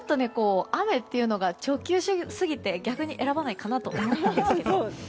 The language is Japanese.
雨というのが直球過ぎて逆に選ばないかなと思ったんですけど。